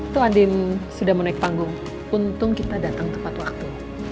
tuhan din sudah menaik panggung untung kita datang tepat waktu